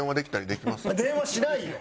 電話しないよ。